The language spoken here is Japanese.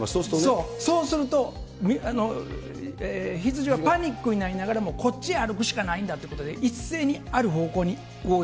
そう、そうすると、羊はパニックになりながらもこっち歩くしかないんだということで、一斉になるほど。